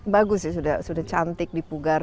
bagus sudah cantik di pugar